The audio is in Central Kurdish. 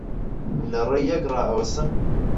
لە ڕێی یەک ڕائەوەسن